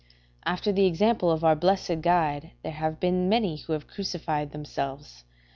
After the example of our blessed Guide there have been many who have crucified themselves.